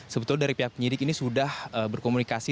sebetulnya dari pihak penyidik ini sudah berkomunikasi